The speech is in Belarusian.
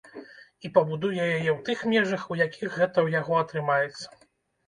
І пабудуе яе ў тых межах, у якіх гэта ў яго атрымаецца.